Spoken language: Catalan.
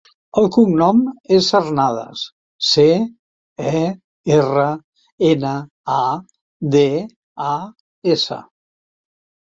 El cognom és Cernadas: ce, e, erra, ena, a, de, a, essa.